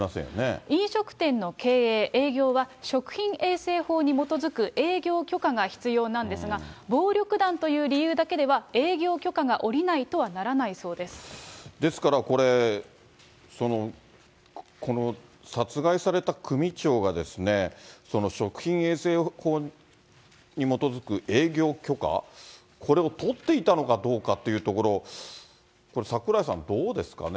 飲食店の経営、営業は、食品衛生法に基づく営業許可が必要なんですが、暴力団という理由だけでは、営業許可が下りないとですからこれ、この殺害された組長が食品衛生法に基づく営業許可、これを取っていたのかどうかというところ、これ、櫻井さん、どうですかね。